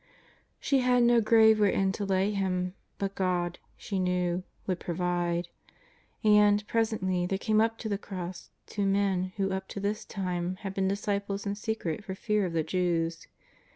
* She had no grave wherein to lay Him, but God, she knew, would provide. And, presently, there came up to the cross two men who up to this time had been dis ciples in secret for fear of the Jews.